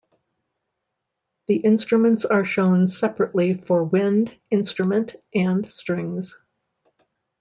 The instruments are shown separately for wind instrument and strings.